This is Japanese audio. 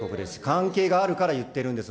関係があるから言ってるんです。